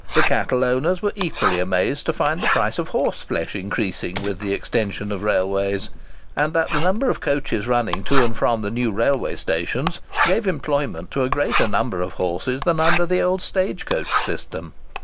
The cattle owners were equally amazed to find the price of horse flesh increasing with the extension of railways, and that the number of coaches running to and from the new railway stations gave employment to a greater number of horses than under the old stage coach system.